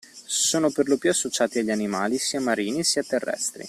Sono perlopiù associati agli animali sia marini sia terrestri